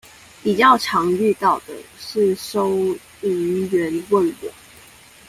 比較常遇到的是收銀員問我